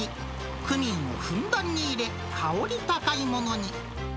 クミンをふんだんに入れ、香り高いものに。